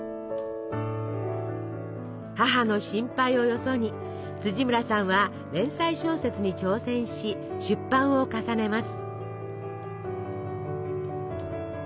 母の心配をよそに村さんは連載小説に挑戦し出版を重ねます。